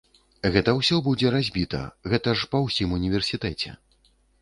Гэта ўсё будзе разбіта, гэта ж па ўсім універсітэце.